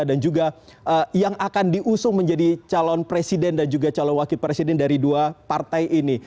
dan juga yang akan diusung menjadi calon presiden dan juga calon wakil presiden dari dua partai ini